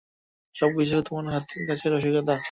সবকিছুই কি তোমার কাছে রসিকতা?